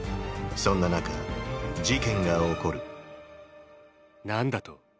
そんな中事件が起こる何だと？